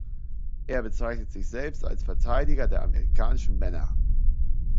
Er bezeichnet sich selbst als "Verteidiger der amerikanischen Männer".